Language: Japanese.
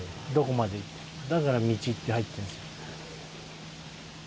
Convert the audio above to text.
だから「道」って入ってるんですよ。